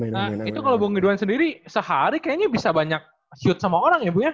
nah itu kalau bung ridwan sendiri sehari kayaknya bisa banyak shoote sama orang ya bu ya